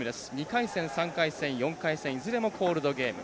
２回戦、３回戦、４回戦いずれもコールドゲーム。